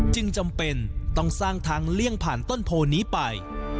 จำเป็นต้องสร้างทางเลี่ยงผ่านต้นโพนี้ไป